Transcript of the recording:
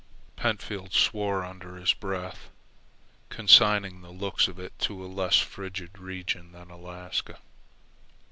Pentfield swore under his breath, consigning the looks of it to a less frigid region than Alaska.